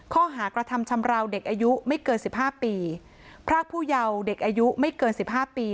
ข้อหากระทำชำราวเด็กอายุไม่เกินสิบห้าปีพรากผู้เยาว์เด็กอายุไม่เกินสิบห้าปี